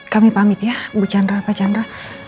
kami pamit ya bu chandra pak chandra